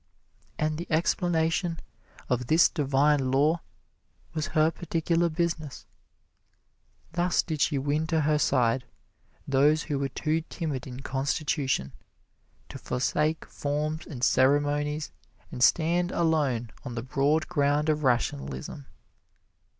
And the explanation of this Divine Law was her particular business. Thus did she win to her side those who were too timid in constitution to forsake forms and ceremonies and stand alone on the broad ground of Rationalism.